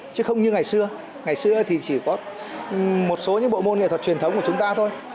chứ không như ngày xưa ngày xưa thì chỉ có một số những bộ môn nghệ thuật truyền thống của chúng ta thôi